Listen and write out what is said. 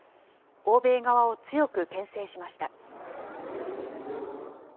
欧米側を強くけん制しました。